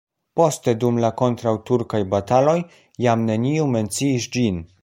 Poste dum la kontraŭturkaj bataloj jam neniu menciis ĝin.